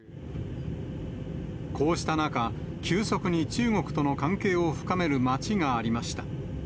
こうした中、急速に中国との関係を深める町がありました。